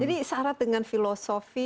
jadi syarat dengan filosofi